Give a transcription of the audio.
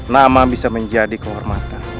nama bisa menjadi kehormatan